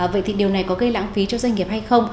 vậy thì điều này có gây lãng phí cho doanh nghiệp hay không